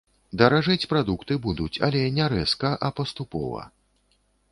Даражэць прадукты будуць, але не рэзка, а паступова.